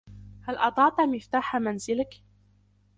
هل أضعتَ مفتاحَ منزلك؟